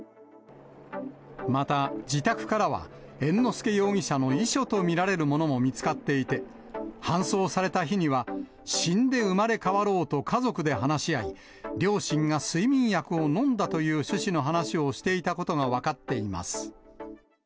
また、自宅からは、猿之助容疑者の遺書と見られるものも見つかっていて、搬送された日には、死んで生まれ変わろうと家族で話し合い、両親が睡眠薬を飲んだという趣旨の話をしていたことが分かっています。